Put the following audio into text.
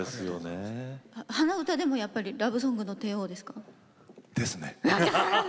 鼻歌でもやっぱりラブソングの帝王ですか？ですね。